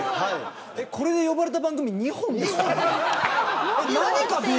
これで呼ばれた番組２本ですか。